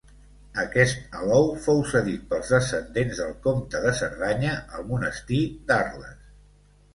Aquest alou fou cedit pels descendents del comte de Cerdanya al monestir d'Arles.